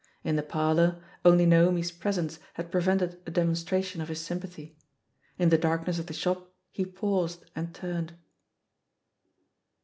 In the parlour, only Naomi's presence had prevented a demonstration of his sympathy; in the darkness of the shop he paused, and turned.